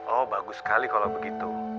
oh bagus sekali kalau begitu